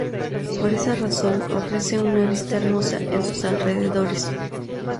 Por esa razón ofrece una vista hermosa en sus alrededores.